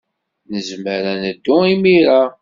Nezmer ad neddu imir-a.